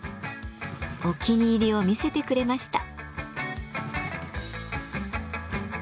お気に入りを見せてくれました。